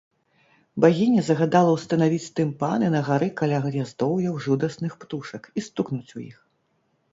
Багіня загадала ўстанавіць тымпаны на гары каля гняздоўяў жудасных птушак і стукнуць у іх.